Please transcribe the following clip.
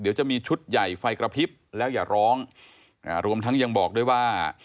เดี๋ยวจะมีชุดใหญ่ไฟกระพริบแล้วอย่าร้องอ่ารวมทั้งยังบอกด้วยว่า